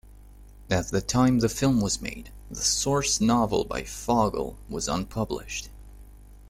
At the time the film was made, the source novel by Fogle was unpublished.